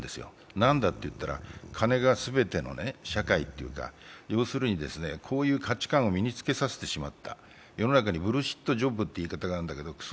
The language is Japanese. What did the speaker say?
何かといったら金の全ての社会というか、要するにこういう価値観を身に付けさせてしまった世の中にブルシットジョブという言葉があるんだけどくそ